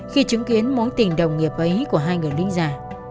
khi chứng kiến mối tình đồng nghiệp ấy của hai người linh giả